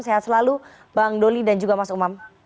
sehat selalu bang doli dan juga mas umam